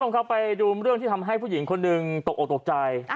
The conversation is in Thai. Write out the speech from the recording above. ต้องเข้าไปดูเรื่องที่ทำให้ผู้หญิงคนหนึ่งตกออกตกใจ